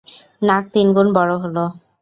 নাক তিনগুণ বড় হলো।